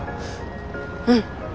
うん。